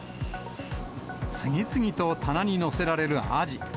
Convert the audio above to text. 次々と棚に載せられるアジ。